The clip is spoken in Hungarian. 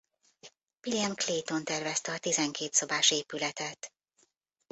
William Clayton tervezte a tizenkét szobás épületet.